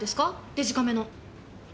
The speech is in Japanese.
デジカメの。